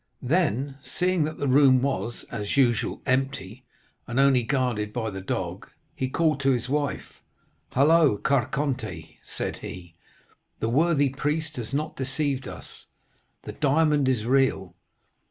Then, seeing that the room was, as usual, empty, and only guarded by the dog, he called to his wife, 'Hello, Carconte,' said he, 'the worthy priest has not deceived us; the diamond is real.